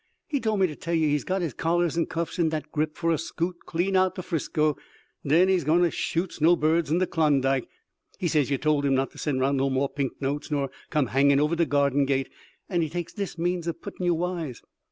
He told me to tell yer he's got his collars and cuffs in dat grip for a scoot clean out to 'Frisco. Den he's goin' to shoot snow birds in de Klondike. He says yer told him not to send 'round no more pink notes nor come hangin' over de garden gate, and he takes dis means of puttin' yer wise.